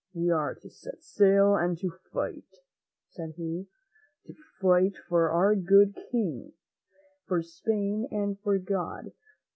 "We are to sail and to fight," said he; "to fight for our good King, for Spain and for God.